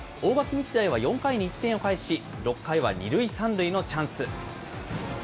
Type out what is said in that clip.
日大は４回に１点を返し、６回は２塁３塁のチャンス。